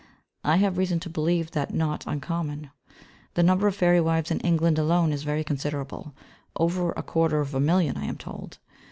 I have reason to believe that not uncommon. The number of fairy wives in England alone is very considerable over a quarter of a million, I am told.